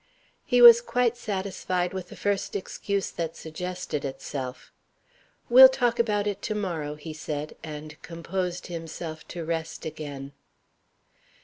He was quite satisfied with the first excuse that suggested itself. "We'll talk about it to morrow," he said, and composed himself to rest again.